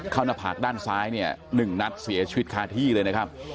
หน้าผากด้านซ้ายเนี่ย๑นัดเสียชีวิตคาที่เลยนะครับ